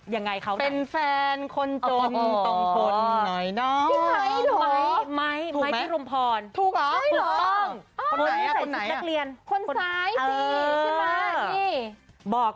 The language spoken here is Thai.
ยังมีเอกหนึ่งใช่ไหมมาส่งท้ายวันเด็ก